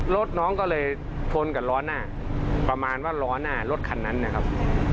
รถน้องก็เลยชนกับล้อหน้าประมาณว่าล้อหน้ารถคันนั้นนะครับ